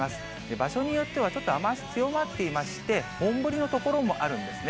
場所によっては、ちょっと雨足強まっていまして、本降りの所もあるんですね。